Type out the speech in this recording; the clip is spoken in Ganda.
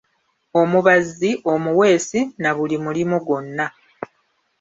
Omubazzi, omuwesi, na buli mulimo gwonna.